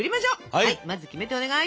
はいまずキメテお願い。